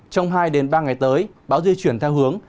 trong hai ba ngày tới bão di chuyển theo hướng